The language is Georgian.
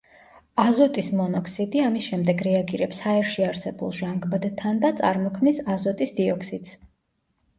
აზოტის მონოქსიდი ამის შემდეგ რეაგირებს ჰაერში არსებულ ჟანგბადთან და წარმოქმნის აზოტის დიოქსიდს.